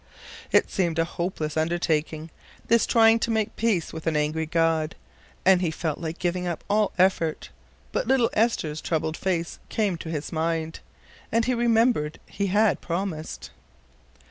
It seemed a hopeless undertaking, this trying to make peace with an angry God, and he felt like giving up all effort; but little Esther's troubled face came to his mind, and he remembered he had promised.